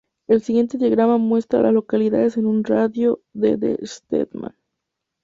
El siguiente diagrama muestra a las localidades en un radio de de Stedman.